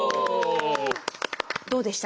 どうでした？